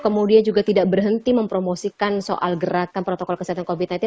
kemudian juga tidak berhenti mempromosikan soal gerakan protokol kesehatan covid sembilan belas